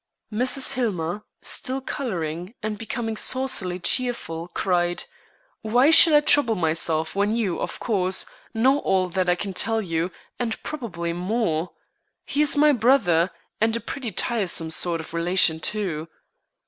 Mrs. Hillmer, still coloring and becoming saucily cheerful, cried, "Why should I trouble myself when you, of course, know all that I can tell you, and probably more? He is my brother, and a pretty tiresome sort of relation, too."